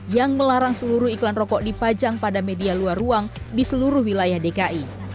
yang melarang seluruh iklan rokok dipajang pada media luar ruang di seluruh wilayah dki